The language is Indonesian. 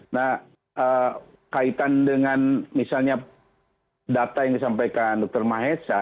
nah kaitan dengan misalnya data yang disampaikan dr mahesa